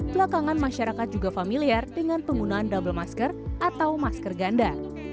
belakangan masyarakat juga familiar dengan penggunaan double masker atau masker ganda